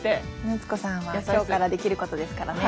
夏子さんは今日からできることですからね。